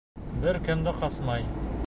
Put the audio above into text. Бер кем дә ҡасмай.